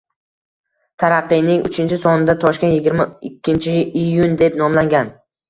“Taraqqiy”ning uchinchi sonida “Toshkent yigirma ikkinchi iyun” deb nomlangan